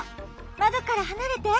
まどからはなれて。